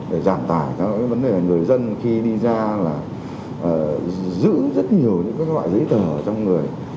để giảm tải các vấn đề người dân khi đi ra là giữ rất nhiều những loại giấy tờ trong người